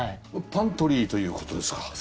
パントリーという事ですか？